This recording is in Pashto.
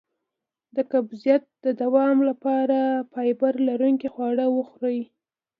د قبضیت د دوام لپاره فایبر لرونکي خواړه وخورئ